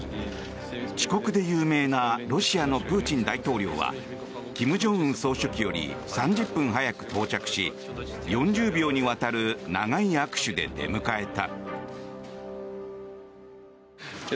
遅刻で有名なロシアのプーチン大統領は金正恩総書記より３０分早く到着し４０秒にわたる長い握手で出迎えた。